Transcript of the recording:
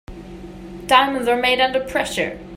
Diamonds are made under pressure.